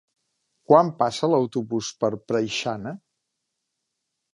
Quan passa l'autobús per Preixana?